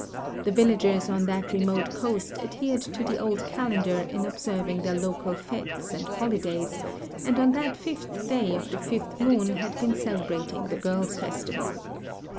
The villagers on that remote coast adhered to the old calendar in observing their local fetes and holidays, and on that fifth day of the fifth moon had been celebrating the Girls' Festival.